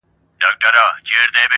هغه وايي دلته هر څه بدل سوي او سخت دي